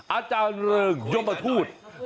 อาจารย์เริงยมทูต